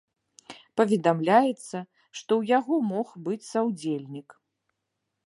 Паведамляецца, што ў яго мог быць саўдзельнік.